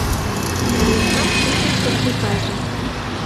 Самиткан ӱдыр Кызбикаже